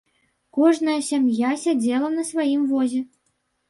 Кожная сям'я сядзела на сваім возе.